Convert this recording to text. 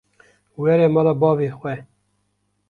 Were mala bavê xwe.